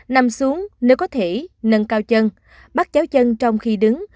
nằm xuống nếu có thể nâng cao chân bắt cháo chân trong khi đứng